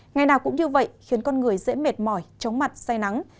ngày nào cũng như vậy khiến con người dễ mệt mỏi chóng mặt say nắng